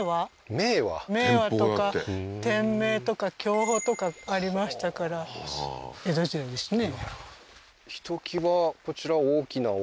明和とか天明とか享保とかありましたから江戸時代ですね